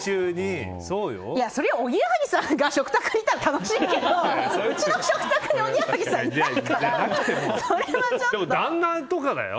それは、おぎやはぎさんが食卓にいたら楽しいけど、うちの食卓にでも、旦那とかだよ。